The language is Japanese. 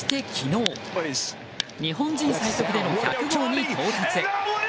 日本人最速での１００号に到達。